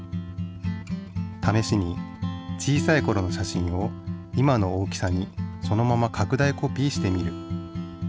試しに小さいころの写真を今の大きさにそのままかく大コピーしてみる。